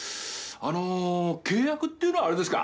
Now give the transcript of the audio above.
あの契約っていうのはあれですか？